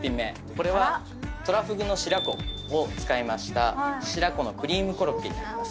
これは、トラフグの白子を使いました白子のクリームコロッケになります。